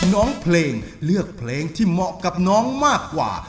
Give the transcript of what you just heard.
น้องเพลงเลือกเพลงที่เหมาะกับน้องมากกว่า